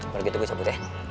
pergi tuh gue cabut ya